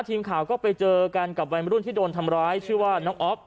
ทีมข่าวก็ไปเจอกันกับวัยมรุ่นที่โดนทำร้ายชื่อว่าน้องอ๊อฟ